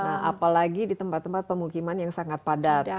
nah apalagi di tempat tempat pemukiman yang sangat padat